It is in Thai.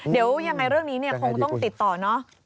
เดี๋ยวยังไงเรื่องนี้คงต้องติดต่อนะ